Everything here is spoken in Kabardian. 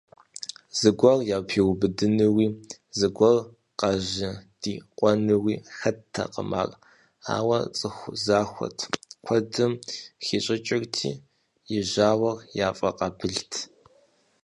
Зыгуэр япиубыдынуи, зыгуэр къыжьэдикъуэнуи хэттэкъым ар, ауэ цӀыху захуэт, куэдым хищӀыкӀырти, и жьауэр яфӀэкъабылт.